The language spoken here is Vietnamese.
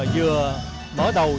vừa mở đầu